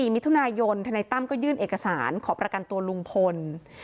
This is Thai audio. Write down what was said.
มิถุนายนทนายตั้มก็ยื่นเอกสารขอประกันตัวลุงพล